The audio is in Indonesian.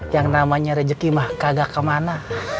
yang namanya rezeki mah kagak kemana